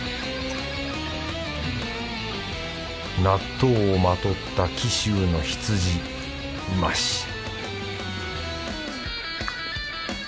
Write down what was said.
納豆をまとった貴州の羊うまし！